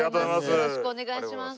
よろしくお願いします。